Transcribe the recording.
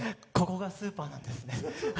ここがスーパーなんですね